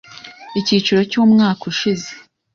Ikiciro cy’umwaka ushize